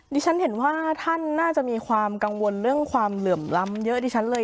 ดิฉันเห็นว่าท่านน่าจะมีความกังวลเรื่องความเหลื่อมล้ำเยอะดิฉันเลย